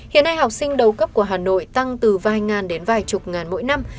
hiện nay học sinh đầu cấp của hà nội tăng từ vài ngàn đến vài chục ngàn mỗi năm